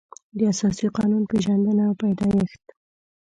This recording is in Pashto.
د اساسي قانون پېژندنه او پیدایښت